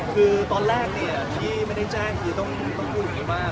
คือตอนแรกที่ไม่ได้แจ้งกี่ต้องพูดอย่างนี้บ้าง